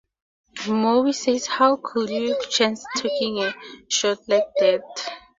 Moe says, How could you chance taking a shot like that?